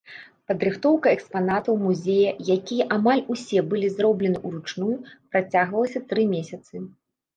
Падрыхтоўка экспанатаў музея, якія амаль усе былі зроблены ўручную, працягвалася тры месяцы.